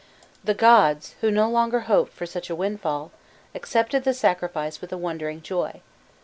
The gods, who no longer hoped for such a wind fall, accepted the sacrifice with a wondering joy.